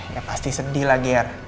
ya pasti sedih lah ger